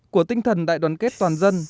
của tinh thần đại đoàn kết toàn dân